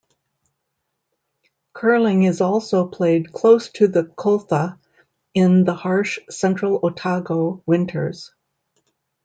Curling is also played close to the Clutha in the harsh Central Otago winters.